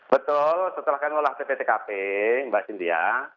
betul setelah kami melakukan pptkp mbak cynthia